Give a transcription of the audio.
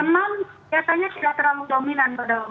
namun biasanya tidak terlalu dominan pada omikron ini